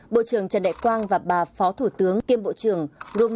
bộ trưởng trần đại quang và bà phó thủ tướng kiêm bộ trưởng romia bejvarovsva